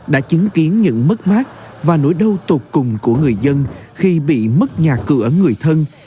đã chứng kiến những mất mát và nỗi đau tột cùng của người dân khi bị mất nhà cửa ở người thân